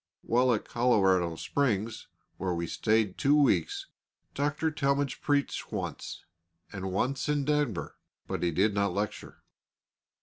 While at Colorado Springs, where we stayed two weeks, Dr. Talmage preached once, and once in Denver, but he did not lecture.